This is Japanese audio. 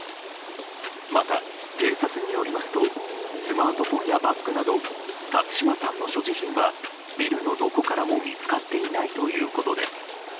また警察によりますとスマートフォンやバッグなど辰島さんの所持品はビルのどこからも見つかっていないということです。